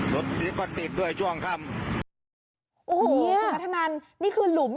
รถฟิปัติกด้วยช่องคำโอ้โหคุณคัธนันนี่คือหลุม